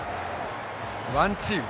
ワンチーム。